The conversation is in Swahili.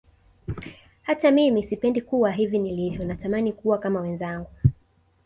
Hata mimi sipendi kuwa hivi nilivyo natamani kuwa kama wenzangu